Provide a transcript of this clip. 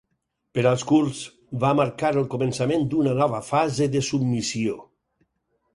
Per als kurds, va marcar el començament d'una nova fase de submissió.